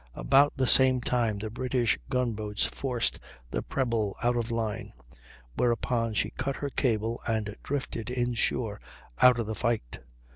About the same time the British gun boats forced the Preble out of line, whereupon she cut her cable and drifted inshore out of the fight.